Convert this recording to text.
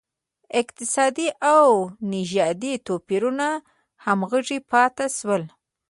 اقتصادي او نژادي توپیرونه همغږي پاتې شول.